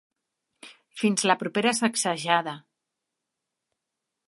Fins a la propera sacsejada.